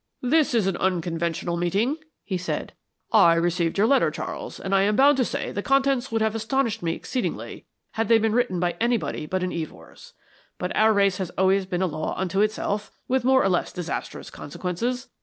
"This is an unconventional meeting," he said. "I received your letter, Charles, and I am bound to say the contents would have astonished me exceedingly had they been written by anybody but an Evors. But our race has always been a law unto itself, with more or less disastrous consequences.